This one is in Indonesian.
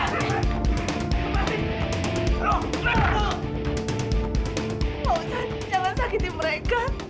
maaf zan jangan sakitin mereka